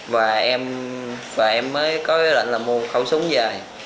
và em mới có lệnh là mua một khẩu súng về